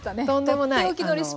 とんでもない。